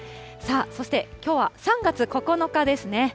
さあ、そしてきょうは３月９日ですね。